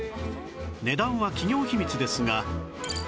値段は企業秘密ですが